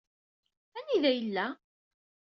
Anida yella?